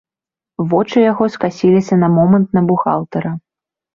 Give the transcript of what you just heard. Вочы яго скасіліся на момант на бухгалтара.